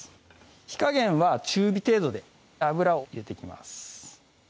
火加減は中火程度で油を入れていきます